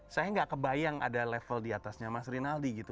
saya nggak kebayang ada level diatasnya mas rinaldi gitu